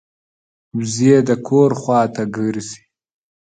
وزې د کور خوا ته ګرځي